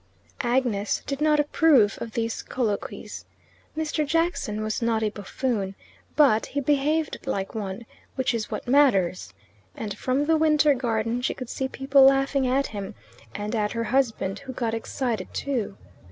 Agnes did not approve of these colloquies. Mr. Jackson was not a buffoon, but he behaved like one, which is what matters; and from the Winter Garden she could see people laughing at him, and at her husband, who got excited too.